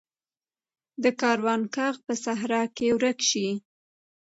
د کاروان ږغ په صحرا کې ورک شي.